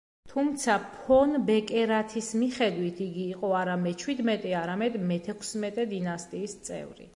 თუმცა ფონ ბეკერათის მიხედვით იგი იყო არა მეჩვიდმეტე არამედ მეთექვსმეტე დინასტიის წევრი.